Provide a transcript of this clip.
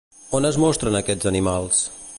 On es mostren aquests animals?